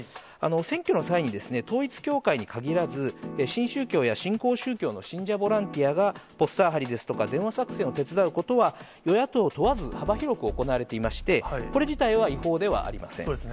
選挙の際に統一教会に限らず、新宗教や新興宗教の信者ボランティアがポスター貼りですとか、電話作戦を手伝うことは、与野党を問わず、幅広く行われていまして、これ自体は違法ではありません。